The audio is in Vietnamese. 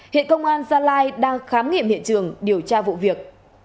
hiện công an gia lai đang khám nghiệm hiện trường điều tra vụ việc